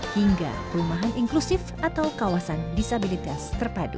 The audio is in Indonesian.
hingga perumahan inklusif atau kawasan disabilitas terpadu